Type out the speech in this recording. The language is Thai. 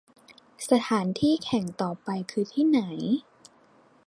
สถานที่แข่งที่ต่อไปคือที่ไหน